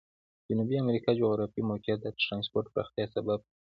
جنوبي امریکا جغرافیوي موقعیت د ترانسپورت پراختیا سبب شوی.